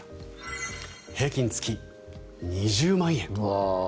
平均月２０万円。